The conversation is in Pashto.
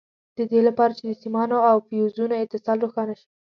د دې لپاره چې د سیمانو او فیوزونو اتصال روښانه شي.